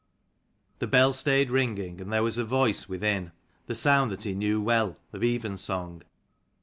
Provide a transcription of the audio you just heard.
The bell stayed ringing, and there was a voice within, the sound that he knew well, of evensong.